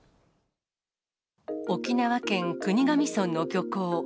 沖縄県国頭村の漁港。